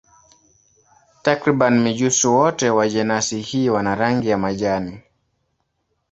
Takriban mijusi wote wa jenasi hii wana rangi ya majani.